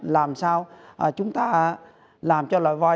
làm sao chúng ta làm cho loài voi